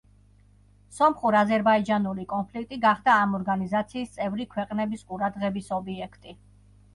სომხურ-აზერბაიჯანული კონფლიქტი გახდა ამ ორგანიზაციის წევრი ქვეყნების ყურადღების ობიექტი.